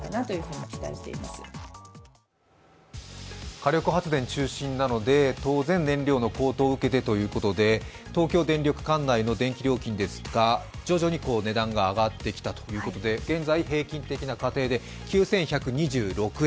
火力発電中心なので当然、燃料の高騰を受けてということで東京電力管内の電気料金ですが徐々に値段が上がってきたということで現在、平均的な家庭で９１２６円。